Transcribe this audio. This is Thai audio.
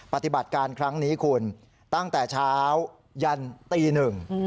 ปฏิบัติการครั้งนี้คุณตั้งแต่เช้ายันตีหนึ่ง